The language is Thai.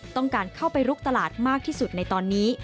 ต้องการเข้าไปลุกตลาดมากที่สุดในตอนนี้